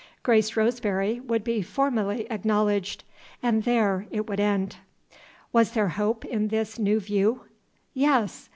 Grace Roseberry would be formally acknowledged and there it would end. Was there hope in this new view? Yes!